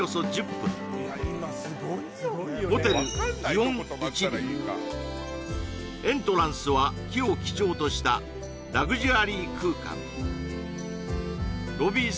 京都エントランスは木を基調としたラグジュアリー空間ロビー